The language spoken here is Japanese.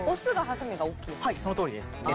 はいその通りです。